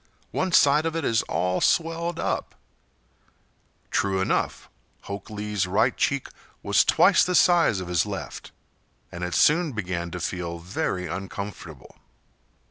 One side of it is all swelled up." True enough, Hok Lee's right cheek was twice the size of his left, and it soon began to feel very uncomfortable.